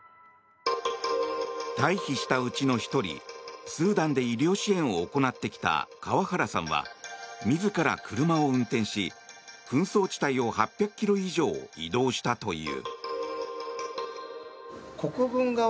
退避したうちの１人スーダンで医療支援を行ってきた川原さんは自ら車を運転し、紛争地帯を８００ｋｍ以上移動したという。